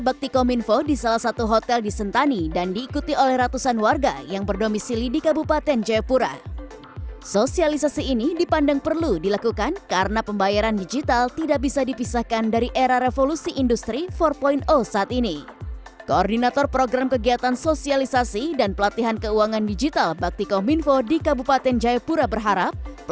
bakti kementerian komunikasi dan informatika